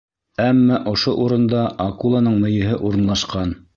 Әммә ошо урында акуланың мейеһе урынлашҡан.